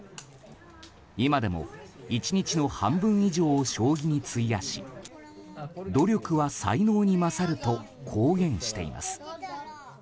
今でも１日の半分以上を将棋に費やし努力は才能に勝ると公言しています。